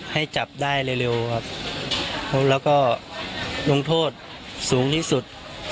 ให้จับได้เร็วครับแล้วก็ลงโทษสูงที่สุด